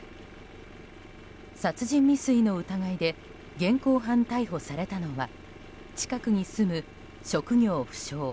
殺人未遂の疑いで現行犯逮捕されたのは近くに住む職業不詳